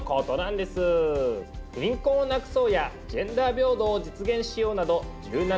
「貧困をなくそう」や「ジェンダー平等を実現しよう」などことをうたってるんです。